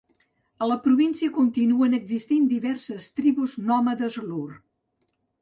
A la província continuen existint diverses tribus nòmades Lur.